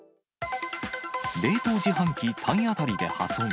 冷凍自販機体当たりで破損。